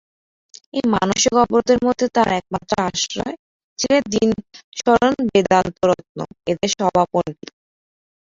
এই মানসিক অবরোধের মধ্যে তাঁর একমাত্র আশ্রয় ছিলেন দীনশরণ বেদান্তরত্ন– এঁদের সভাপণ্ডিত।